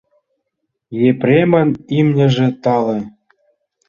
Епремын имньыже тале.